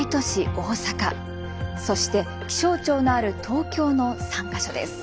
大阪そして気象庁のある東京の３か所です。